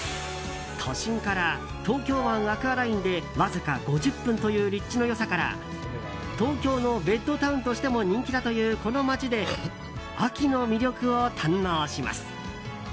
都心から東京湾アクアラインでわずか５０分という立地の良さから東京のベッドタウンとしても人気だというこの街で秋の魅力を堪能します。